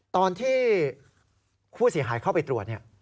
ตอนที่ผู้เสียหายเข้าไปตรวจเนี่ย